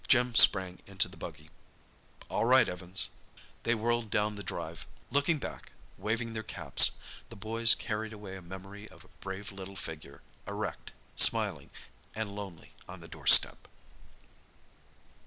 Jim sprang into the buggy. "All right, Evans." They whirled down the drive. Looking back, waving their caps, the boys carried away a memory of a brave little figure, erect, smiling and lonely on the doorstep.